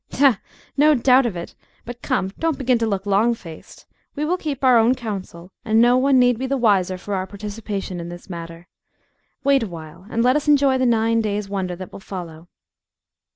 "Ha! ha! No doubt of it. But come, don't begin to look long faced. We will keep our own counsel, and no one need be the wiser for our participation in this matter. Wait a while, and let us enjoy the nine days' wonder that will follow."